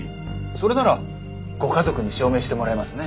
それならご家族に証明してもらえますね。